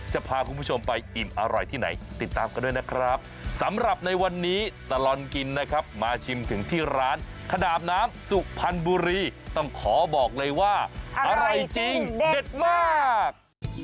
จะพาคุณผู้ชมไปอิ่มอร่อยที่ไหนติดตามกันด้วยนะครับสำหรับในวันนี้ตลอดกินนะครับมาชิมถึงที่ร้านขนาบน้ำสุพรรณบุรีต้องขอบอกเลยว่าอร่อยจริงเด็ดมาก